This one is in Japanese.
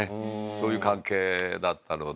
そういう関係だったので。